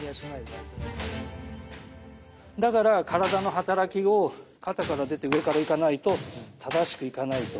だから体の働きを肩から出て上からいかないと正しくいかないと。